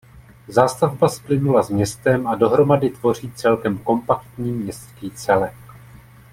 Zástavba splynula s městem a dohromady tvoří celkem kompaktní městský celek.